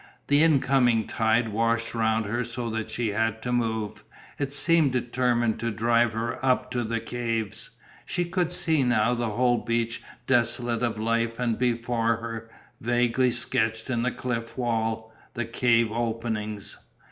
The incoming tide washed round her so that she had to move, it seemed determined to drive her up to the caves. She could see now the whole beach desolate of life and before her, vaguely sketched in the cliff wall, the cave openings.